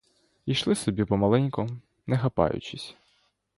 Ішли собі помаленьку, не хапаючись.